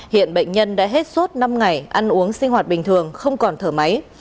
hiện bệnh nhân đã hết suốt năm ngày ăn uống sinh hoạt bình thường không còn thở máy